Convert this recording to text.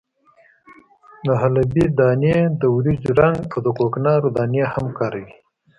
د حلبې دانې، د وریجو رنګ او د کوکنارو دانې هم کاروي.